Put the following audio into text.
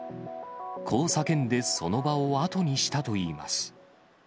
こう叫んで、その場を後にしたといいます。